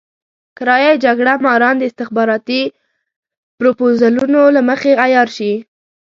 کرايه يي جګړه ماران د استخباراتي پروپوزلونو له مخې عيار شي.